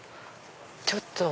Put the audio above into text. ちょっと。